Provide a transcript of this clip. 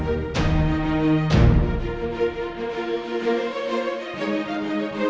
untuk memuaskan orang yang